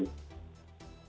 selamat sore bu